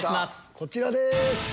こちらです。